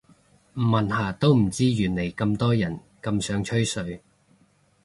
唔問下都唔知原來咁多人咁想吹水